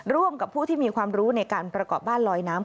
ร่วมกับผู้ที่มีความรู้ในการประกอบบ้านลอยน้ำ